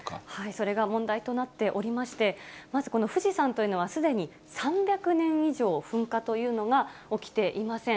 それが問題となっておりまして、まずこの富士山というのは、すでに３００年以上、噴火というのが起きていません。